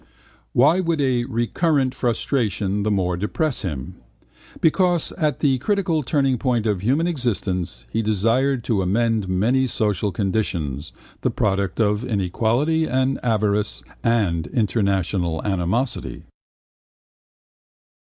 Why would a recurrent frustration the more depress him? Because at the critical turningpoint of human existence he desired to amend many social conditions, the product of inequality and avarice and international animosity.